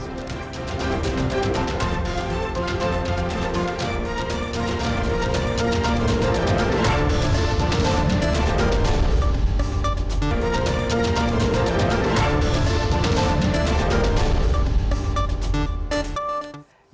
assalamualaikum wr wb